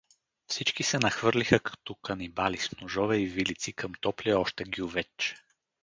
Всички се нахвърлиха като канибали, с ножове и вилици, към топлия още гювеч.